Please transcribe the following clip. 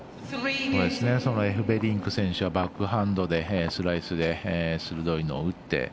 エフベリンク選手はバックハンドでスライスで鋭いのを打って。